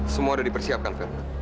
semua sudah dipersiapkan verna